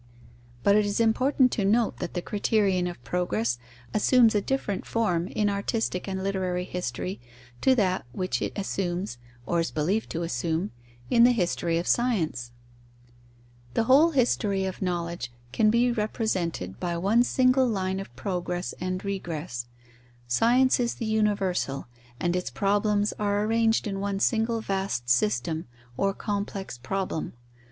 But it is important to note that the criterion of progress assumes a different form in artistic and literary history to that which it assumes (or is believed to assume) in the history of science. The whole history of knowledge can be represented by one single line of progress and regress. Science is the universal, and its problems are arranged in one single vast system, or complex problem.